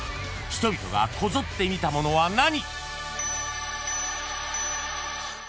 ［人々がこぞって見たものは何？］